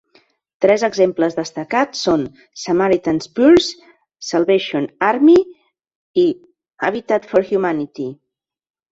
Tres exemples destacats són Samaritan's Purse, Salvation Army i Habitat for Humanity.